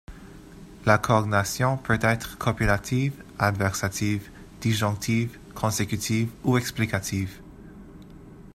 La coordination peut être copulative, adversative, disjonctive, consécutive ou explicative.